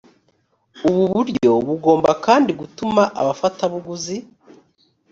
ubu buryo bugomba kandi gutuma abafatabuguzi